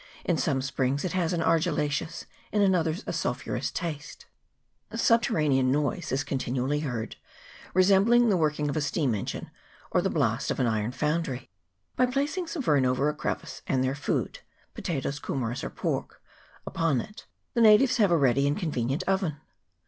In some springs it has an argillaceous, and in others a sul phurous taste. A subterranean noise is continually heard, resembling the working of a steam engine, 1 Carbonate of magnesia. z2 340 HOT SPRINGS NEAR [PART II, or the blast of an iron foundry. By placing some fern over a crevice, and their food (potatoes, ku meras, or pork) upon it, the natives have a ready and convenient oven.